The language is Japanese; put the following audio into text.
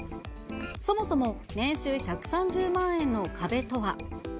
そもそも、年収１３０万円の壁とは。